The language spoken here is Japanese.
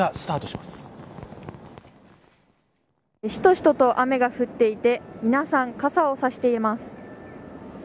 しとしとと雨が降っていて皆さん、傘を差しています。